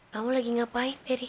kamu lagi ngapain beri